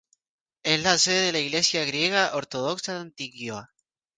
Es la sede de la Iglesia Griega Ortodoxa de Antioquía.